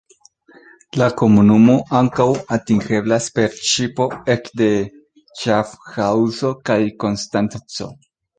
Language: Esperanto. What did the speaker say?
La komunumo ankaŭ atingeblas per ŝipo ek de Ŝafhaŭzo kaj Konstanco.